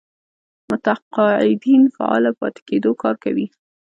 متقاعدين فعاله پاتې کېدو کار کوي.